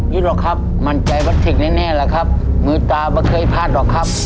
นี่หรอครับมั่นใจประสิทธิ์แน่แหละครับมือตาไม่เคยพลาดหรอกครับ